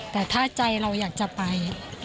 แต่ถ้าใจเราอยากจะไป